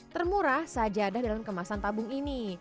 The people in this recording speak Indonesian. termurah sajadah dalam kemasan tabung ini